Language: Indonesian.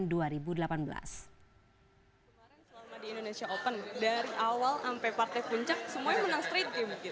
kemarin selama di indonesia open dari awal sampai partai puncak semuanya menang street game